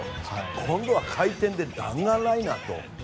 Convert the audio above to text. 今度は回転の弾丸ライナー。